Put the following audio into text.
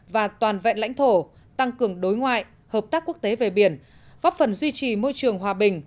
và toàn vẹn lãnh thổ tăng cường đối ngoại hợp tác quốc tế về biển góp phần duy trì môi trường hòa bình